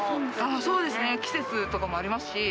そうですね、季節とかもありますし。